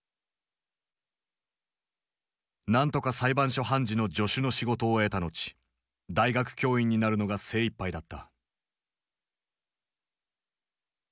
何とか裁判所判事の助手の仕事を得た後大学教員になるのが精いっぱいだった。